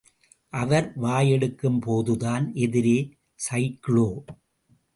அவர் வாயெடுக்கும்போதுதான், எதிரே சைக்கிளோ.